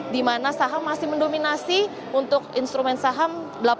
dimana saham masih mendominasi untuk instrumen saham